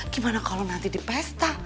gimana kalau nanti di pesta